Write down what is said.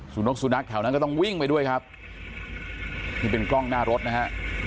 นกสุนัขแถวนั้นก็ต้องวิ่งไปด้วยครับนี่เป็นกล้องหน้ารถนะฮะ